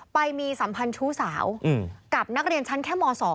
ไปมีสัมพันธ์ชู้สาวกับนักเรียนชั้นแค่ม๒